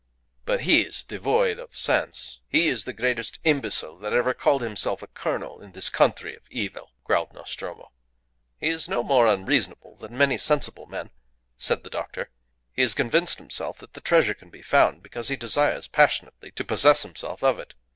"But he is devoid of sense. He is the greatest imbecile that ever called himself a colonel in this country of evil," growled Nostromo. "He is no more unreasonable than many sensible men," said the doctor. "He has convinced himself that the treasure can be found because he desires passionately to possess himself of it.